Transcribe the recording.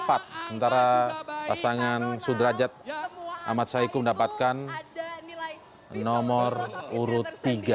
ada nilai urut tiga